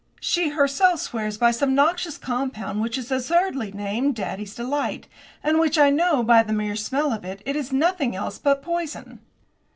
She herself swears by some noxious compound, which is absurdly named "Daddy's Delight," and which I know, by the mere smell of it, is nothing else but poison.